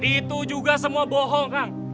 itu juga semua bohong kang